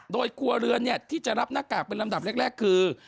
โดยครัวเรือนที่จะรับหน้ากากเป็นลำดับแรกคือ